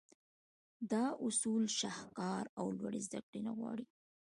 دا اصول شهکار او لوړې زدهکړې نه غواړي.